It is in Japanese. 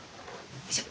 よいしょ。